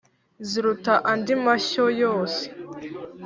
ziruta andi mashyo yose.